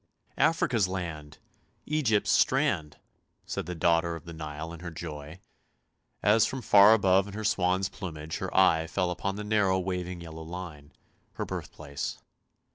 " Africa's land! Egypt's strand! " said the daughter of the Nile in her joy, as from far above in her swan's plumage her eye fell upon the narrow waving yellow line, her birthplace.